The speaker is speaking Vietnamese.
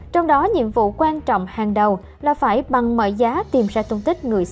trong đó nhiệm vụ quan trọng hàng đầu là phải bằng mọi giá tìm ra tung tích người xem